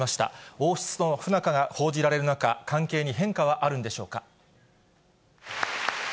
王室との不仲が報じられる中、関係に変化はあるんでしょうか。